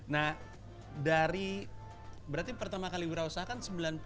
nah dari berarti pertama kali wirausah kan sembilan puluh lima sembilan puluh enam